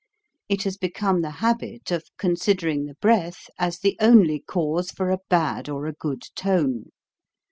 It has become the habit of considering the breath as the only cause for a bad or a good tone.